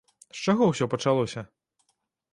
З чаго ўсё пачалося?